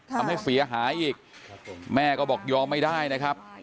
ทำให้เสียหายอีกแม่ก็บอกยอมไม่ได้นะครับ